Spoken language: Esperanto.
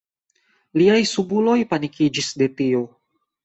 Liaj subuloj panikiĝis de tio.